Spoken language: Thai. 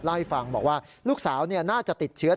เล่าให้ฟังบอกว่าลูกสาวน่าจะติดเชื้อ